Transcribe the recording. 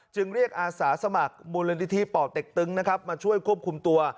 จึงเรียกอาสาสมัครมูลนิธิป่อเต็กตึงนะครับมาช่วยควบคุมตัว